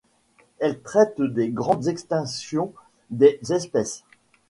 Elle traite des grandes extinctions des espèces.